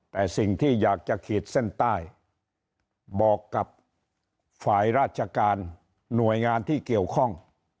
แต่สิ่งที่อยากจะขีดเส้นใต้บอกกับฝ่ายราชการหน่วยงานที่เกี่ยวข้อง